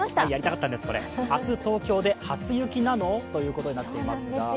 明日、東京で初雪なの？ということになっています。